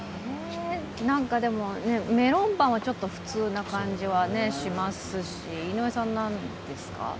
なんかでも、メロンパンはちょっと普通な感じはしますし、井上さん、なんですか？